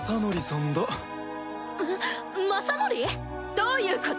どういうこと？